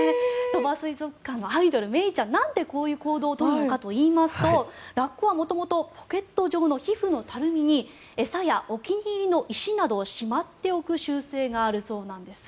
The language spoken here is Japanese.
鳥羽水族館のアイドルメイちゃんなんでこういう行動を取るのかといいますとラッコは元々ポケット状の皮膚のたるみに餌やお気に入りの石などをしまっておく習性があるそうです。